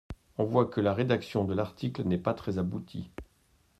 On voit que la rédaction de l’article n’est pas très aboutie.